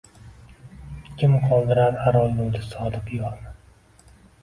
Kim qoldirar aro yo‘lda sodiq yorni?